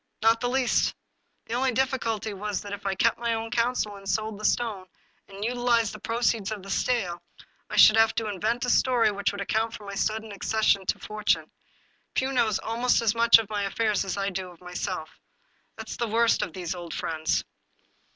Not the least ! The only dif ficulty was that if I kept my own counsel, and sold the stone and utilized the proceeds of the sale, I should have to invent a story which would account for my sudden ac cession to fortune. Pugh knows almost as much of my affairs as I do myself. That is the worst of these old friends